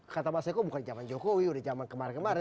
kata mas eko bukan jaman jokowi jaman kemarin kemarin